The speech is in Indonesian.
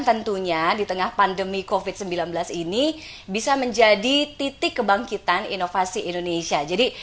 tentunya di tengah pandemi covid sembilan belas ini bisa menjadi titik kebangkitan inovasi indonesia jadi